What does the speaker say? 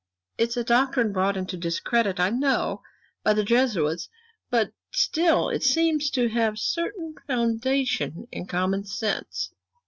It's a doctrine brought into discredit, I know, by the Jesuits, but still it seems to have a certain foundation in common sense."